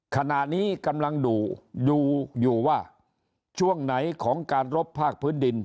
ขณะนี้กำลังดูดูอยู่ว่าช่วงไหนของการรบภาคพื้นดิน